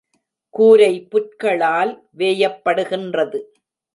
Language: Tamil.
கூரை புற்களால் வேயப்படுகின்றது.